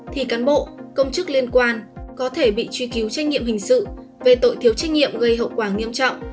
thì cán bộ công chức liên quan có thể bị truy cứu trách nhiệm hình sự về tội thiếu trách nhiệm gây hậu quả nghiêm trọng